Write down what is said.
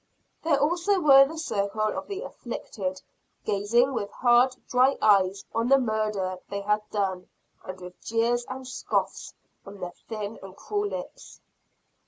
There also were the circle of the "afflicted," gazing with hard dry eyes on the murder they had done and with jeers and scoffs on their thin and cruel lips.